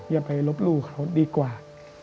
อย่าไปลบหลู่เขาดีกว่า